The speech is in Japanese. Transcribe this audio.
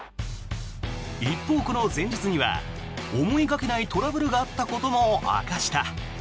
一方、この前日には思いがけないトラブルがあったことも明かした。